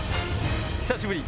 久しぶり！